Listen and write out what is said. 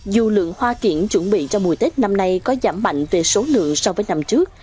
dù lượng hoa kiển chuẩn bị cho mùa tết năm nay có giảm mạnh về số lượng so với năm trước